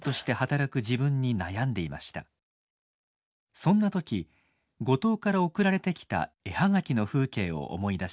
そんな時五島から送られてきた絵葉書の風景を思い出します。